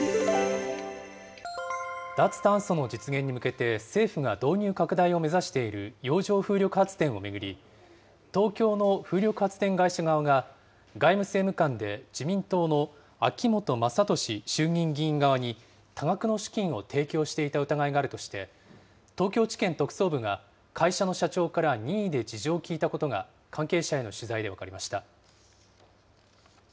脱炭素の実現に向けて政府が導入拡大を目指している洋上風力発電を巡り、東京の風力発電会社側が外務政務官で自民党の秋本真利衆議院議員側に、多額の資金を提供していた疑いがあるとして、東京地検特捜部が、会社の社長から任意で事情を聴いたことが、関係者への取材で分かりました。